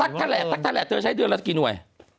ตั้งแต่แหละตั้งแต่แหละเธอใช้เดือนแล้วกี่หน่วย